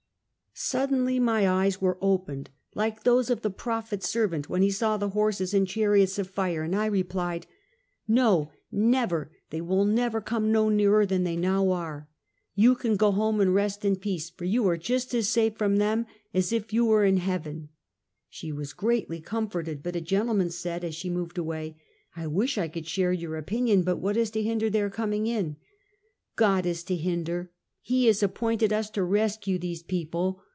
Suddenly my eyes were opened, like those of the prophet's servant when he saw the horses and chariots of fire, and I replied: "!No! never! They will come no nearer than they now are! You can go home and rest in peace, for you are just as safe from them as if you were in heaven!" She was greatly comforted; but a gentleman said, as she moved away: " I wish I could share your opinion; but what is to hinder their coming in ?"" God is to hinder! He has appointed us to rescue these people.